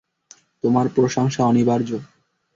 তোমার প্রশংসা অনিবার্য।